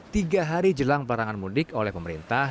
tiga hari jelang pelarangan mudik oleh pemerintah